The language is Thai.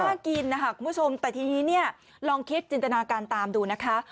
ไม่กล้ากินทุกชมแต่ทีนี้นี่ลองคิดจินตนาการตามดูนะคะ